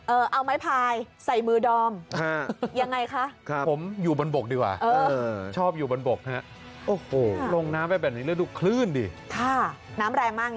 เออเอาไม้พายใส่มือดอม